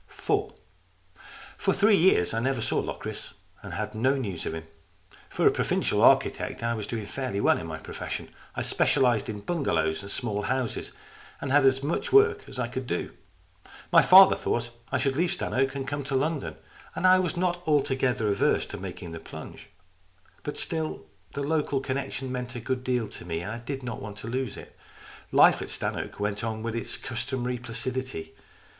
IV FOR three years I never saw Locris and had no news of him. For a provincial architect I was doing fairly well in my profession. I specialized in bungalows and small houses, and had as much work as I could do. My father thought that I should leave Stannoke and come to London, and I was not altogether averse to making the plunge ; but still, the local connection meant a good deal to me, and I did not want to lose it. Life at Stannoke went on with its customary placidity.